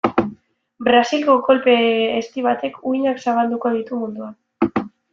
Brasilgo kolpe ezti batek uhinak zabalduko ditu munduan.